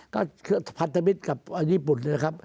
ก็คือพันธมิตรกับญี่ปุ่นนะครับ